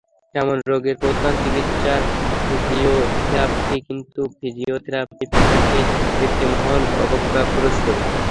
এমন রোগীর প্রধান চিকিৎসা ফিজিওথেরাপি, কিন্তু ফিজিওথেরাপি পেশাকে একটি মহল অবজ্ঞা করছে।